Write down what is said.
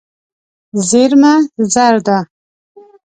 زېرمه زر ده.